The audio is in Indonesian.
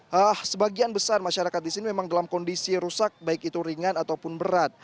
jadi masyarakat di sini memang dalam kondisi rusak baik itu ringan ataupun berat